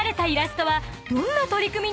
「どんな取り組み」